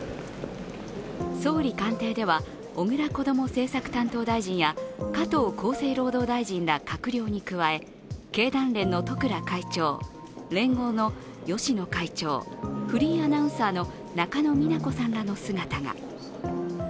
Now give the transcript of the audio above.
総理官邸では、小倉こども政策担当大臣や加藤厚生労働大臣ら閣僚に加え経団連の十倉会長、連合の芳野会長、フリーアナウンサーの中野美奈子さんらの姿が。